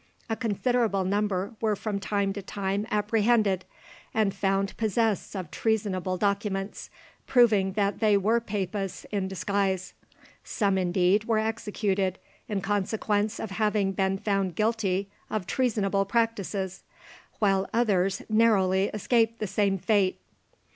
A considerable number were from time to time apprehended, and found possessed of treasonable documents, proving that they were Papists in disguise. Some indeed were executed in consequence of having been found guilty of treasonable practices, while others narrowly escaped the same fate.